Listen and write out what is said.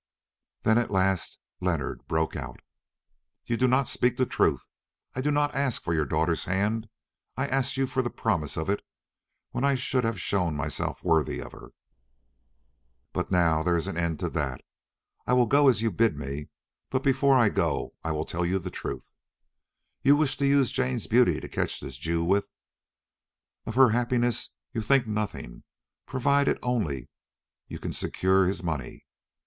Then at last Leonard broke out. "You do not speak the truth. I did not ask you for your daughter's hand. I asked you for the promise of it when I should have shown myself worthy of her. But now there is an end of that. I will go as you bid me but before I go I will tell you the truth. You wish to use Jane's beauty to catch this Jew with. Of her happiness you think nothing, provided only you can secure his money.